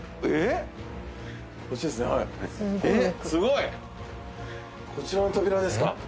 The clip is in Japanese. えっすごい！こちらの扉ですか？